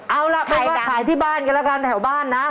เอาล่ะไปขายที่บ้านกันแล้วกันแถวบ้านนะ